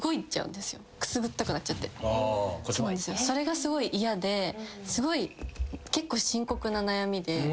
それがすごい嫌で結構深刻な悩みで。